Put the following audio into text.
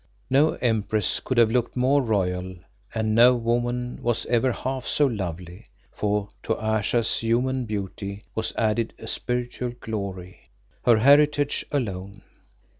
No empress could have looked more royal and no woman was ever half so lovely, for to Ayesha's human beauty was added a spiritual glory, her heritage alone.